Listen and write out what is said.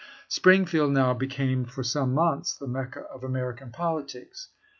Springfield now became, for some months, the Mecca of American politics.